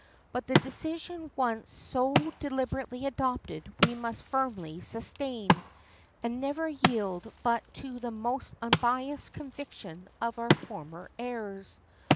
But the decision once so deliberately adopted we must firmly sustain, and never yield but to the most unbiased conviction of our former errors.